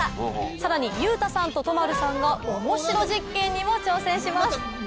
さらに裕太さんと都丸さんがおもしろ実験にも挑戦します。